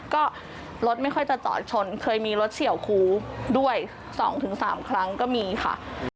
ก็รถไม่ค่อยจะจอดชนเคยมีรถเฉียวครูด้วย๒๓ครั้งก็มีค่ะ